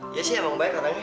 dia sih emang baik orangnya